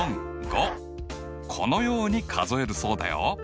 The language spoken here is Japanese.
このように数えるそうだよ。